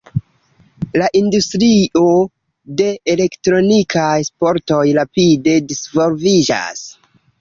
La industrio de elektronikaj sportoj rapide disvolviĝas.